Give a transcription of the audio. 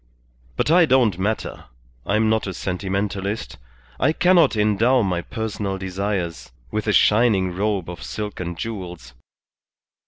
But I don't matter, I am not a sentimentalist, I cannot endow my personal desires with a shining robe of silk and jewels.